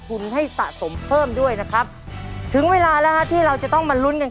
ให้สะสมเพิ่มด้วยนะครับถึงเวลาแล้วฮะที่เราจะต้องมาลุ้นกัน